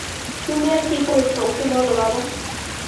তুমি আর কী করেছ ওকে বলো, বাবা।